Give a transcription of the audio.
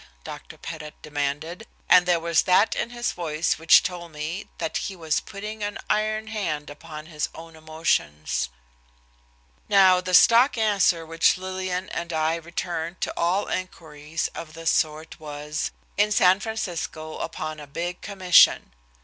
Dr. Pettit demanded, and there was that in his voice which told me that he was putting an iron hand upon his own emotions. Now the stock answer which Lillian and I returned to all inquiries of this sort was "In San Francisco upon a big commission."